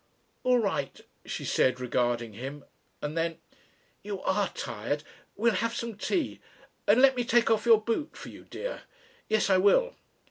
"All right," she said, regarding him. And then, "You are tired. We'll have some tea. And let me take off your boot for you, dear. Yes I will."